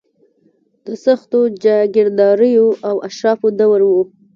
د سختو جاګیرداریو او اشرافو دور و.